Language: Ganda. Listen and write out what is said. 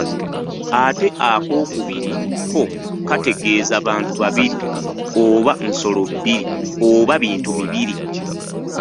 Ate akookubiri ko kategeeza bantu babiri, oba nsolo bbiri, oba bintu bibiri.